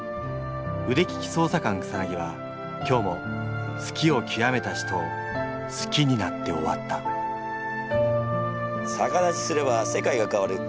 腕利き捜査官草は今日も好きをきわめた人を好きになって終わったさか立ちすれば世界が変わる。